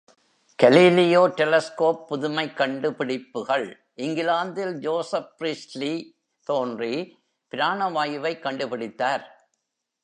Galileo telescope புதுமைக் கண்டுபிடிப்புகள் இங்கிலாந்தில் ஜோசப் பிரீஸ்டிலி தோன்றி பிராண வாயுவைக் கண்டு பிடித்தார்.